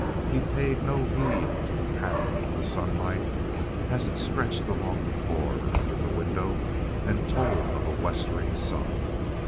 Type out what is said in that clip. He paid no heed to the path of the sunlight as it stretched along the floor under the window and told of a westering sun.